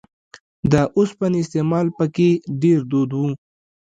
د اوسپنې استعمال په کې ډېر دود و